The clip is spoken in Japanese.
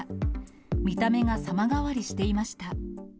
見た目が様変わりしていました。